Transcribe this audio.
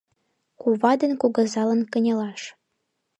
Кува ден кугызалан кынелаш.